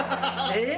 えっ？